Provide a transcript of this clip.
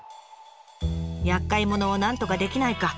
やっかいものをなんとかできないか。